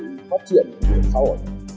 sự phát triển của xã hội